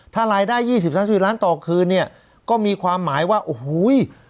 ถ้ารายได้๒๐๓๐ล้านต่อคืนเนี่ยก็มีความหมายว่าโอ้โห